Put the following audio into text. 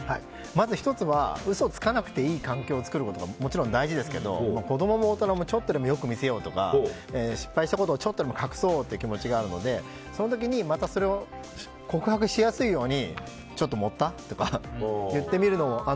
まず１つは嘘をつかなくていい環境を作ることがもちろん大事ですけど子供も大人もちょっとでも良く見せようとか失敗したことを隠そうって気持ちがあるのでその時にまたそれを告白しやすいようにちょっと盛った？とか言ってみるのも。